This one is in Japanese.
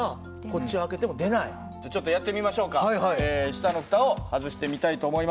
下のふたを外してみたいと思います。